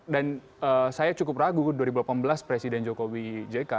dan saya cukup ragu dua ribu delapan belas presiden jokowi jk